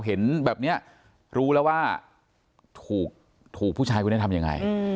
เห็นแบบนี้รู้แล้วว่าถูกผู้ชายคนนี้ทำยังไง